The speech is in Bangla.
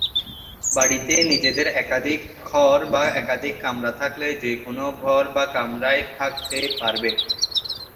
বাড়ীতে নিজেদের একাধিক ঘর বা একাধিক কামরা থাকলে যে কোন ঘর বা কামরায় থাকতে পারবে।